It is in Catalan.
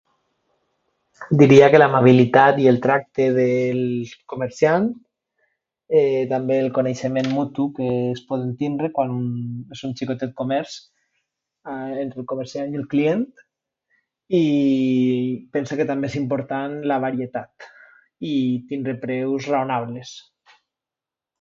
Diria que l'amabilitat i el tracte dels comerciants, també el coneixement mutu que es pot tindre quan és un xicotet comerç entre el comercial i el client i... pense que també és important la varietat i tindre preus raonables.